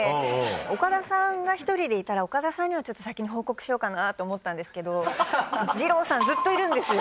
岡田さんが１人でいたら岡田さんには先に報告しようかなと思ったんですけど二朗さんずっといるんですよ。